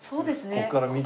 ここから見て。